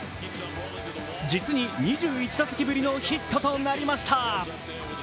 実に２１打席ぶりのヒットとなりました。